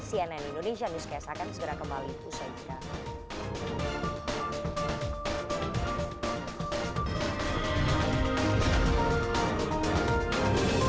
cnn indonesia newscast akan segera kembali usai di dalam